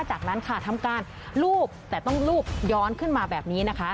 จากนั้นค่ะทำการลูบแต่ต้องรูปย้อนขึ้นมาแบบนี้นะคะ